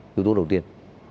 thư thú đầu tiên